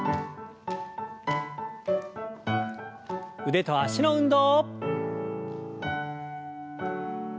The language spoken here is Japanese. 腕と脚の運動。